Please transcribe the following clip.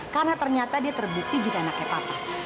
karena ternyata dia terbukti jika anaknya papa